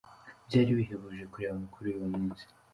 Byari bihebuje kureba amakuru y’uwo munsi.